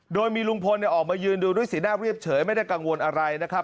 โดยมีลุงพลออกมายืนดูด้วยสีหน้าเรียบเฉยไม่ได้กังวลอะไรนะครับ